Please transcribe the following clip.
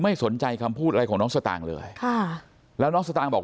ไม่สนใจคำพูดอะไรของน้องสตางค์เลยค่ะแล้วน้องสตางค์บอก